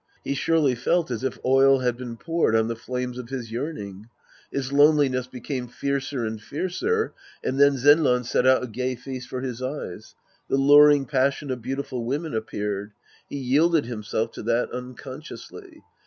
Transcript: He surely felt as if oil had been poured on the flames of his yearning.. His loneliness became fiercer and fiercer, and then Zenran set out a gay feast for his eyes. The luring passion of beautiful women appear ed. He yielded liimself to that unconsciously.